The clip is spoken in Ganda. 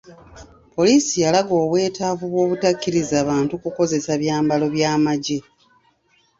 Poliisi yalaga obwetaavu bw'obutakkiriza bantu kukozesa byambalo by'amaggye.